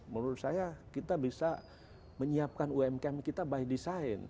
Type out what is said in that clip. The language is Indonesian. menurut saya kita bisa menyiapkan umkm kita by design